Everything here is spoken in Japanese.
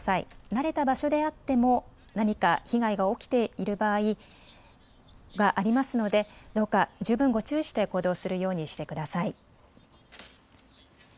慣れた場所であっても何か被害が起きている場合がありますので、どうか十分ご注意して行動するようにしてください。